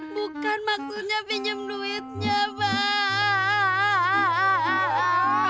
bukan maksudnya pinjam duitnya pak